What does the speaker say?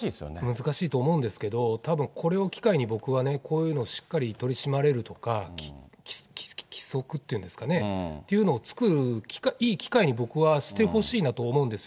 難しいと思うんですけど、たぶんこれを機会に僕はね、こういうのをしっかり取り締まれるとか、規則っていうんですかね、っていうのを作るいい機会に、僕はしてほしいなと思うんですよ。